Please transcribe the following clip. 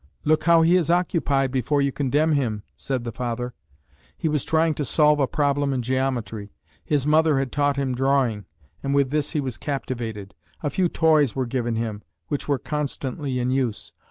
"Look how he is occupied before you condemn him," said the father. He was trying to solve a problem in geometry. His mother had taught him drawing, and with this he was captivated. A few toys were given him, which were constantly in use.